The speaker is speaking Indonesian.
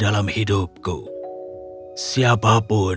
saya akan menjadikan kaisarmu sebagai pelayan